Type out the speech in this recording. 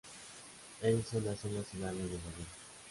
Ellison nació en la ciudad de Nueva York.